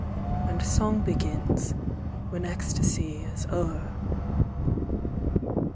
And song begins, when ecstasy is o'er.